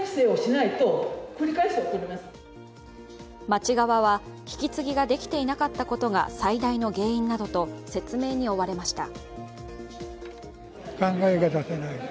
町側は、引き継ぎができていなかったことが最大の原因などと説明に追われました。